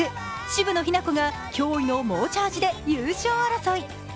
渋野日向子が驚異の猛チャージで優勝争い。